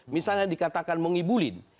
misalnya dikatakan mengibulin